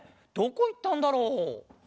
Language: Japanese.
どこいったんだろう？